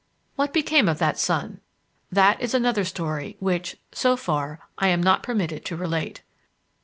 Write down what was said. What became of that son? That is another story which, so far, I am not permitted to relate.